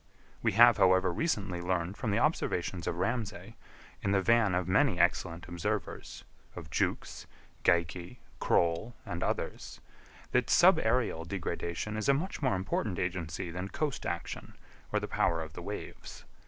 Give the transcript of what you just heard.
We have, however, recently learned from the observations of Ramsay, in the van of many excellent observers—of Jukes, Geikie, Croll and others, that subaërial degradation is a much more important agency than coast action, or the power of the waves.